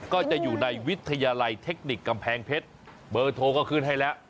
ก็จะอยู่ในวิทยาลัยเทคนิคกำแพงเพชรเบอร์โทรก็ขึ้นให้แล้ว